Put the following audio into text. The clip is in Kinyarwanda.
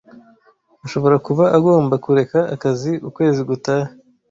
Ashobora kuba agomba kureka akazi ukwezi gutaha.